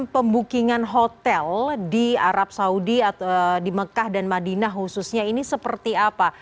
pembukingan hotel di arab saudi di mekah dan madinah khususnya ini seperti apa